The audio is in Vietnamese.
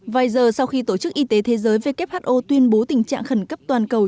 vài giờ sau khi tổ chức y tế thế giới who tuyên bố tình trạng khẩn cấp toàn cầu